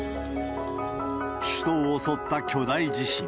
首都を襲った巨大地震。